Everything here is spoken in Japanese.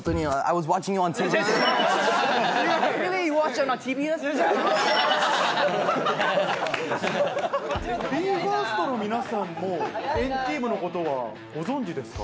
Ｗａｔｃｈ．ＢＥ：ＦＩＲＳＴの皆さんも＆ＴＥＡＭのことはご存じですか？